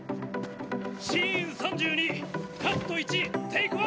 シーン３２カット１テイク１。